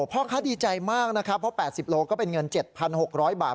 พ่อค้าดีใจมากนะครับเพราะ๘๐โลก็เป็นเงิน๗๖๐๐บาท